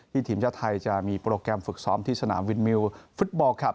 ทีมชาติไทยจะมีโปรแกรมฝึกซ้อมที่สนามวินมิวฟุตบอลคลับ